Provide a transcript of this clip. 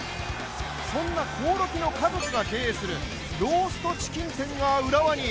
そんな興梠の家族が経営するローストチキン店が浦和に。